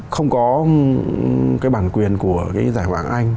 không có bản quyền của giải hoạng anh